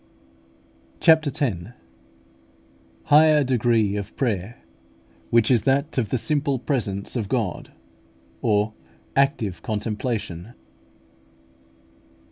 CHAPTER X. HIGHER DEGREE OF PRAYER, WHICH IS THAT OF THE SIMPLE PRESENCE OF GOD, OR ACTIVE CONTEMPLATION.